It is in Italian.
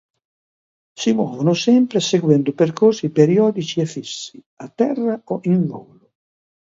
Si muovono sempre seguendo percorsi periodici e fissi, a terra o in volo.